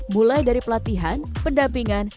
mulai dari pelatihan pendampingan